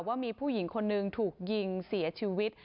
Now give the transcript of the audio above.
ว่ามีผู้หญิงคนนึงถูกยิงเสียชีวิต